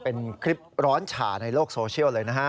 เป็นคลิปร้อนฉ่าในโลกโซเชียลเลยนะฮะ